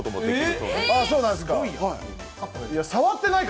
そうなんすか。